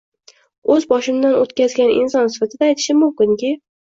O‘z boshimdan o‘tkazgan inson sifatida aytishim mumkinki